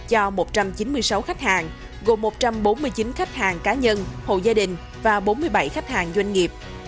cho một trăm chín mươi sáu khách hàng gồm một trăm bốn mươi chín khách hàng cá nhân hộ gia đình và bốn mươi bảy khách hàng doanh nghiệp